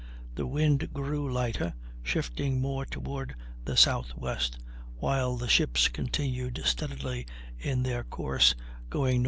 The wind grew lighter, shifting more toward the south west, while the ships continued steadily in their course, going N.E.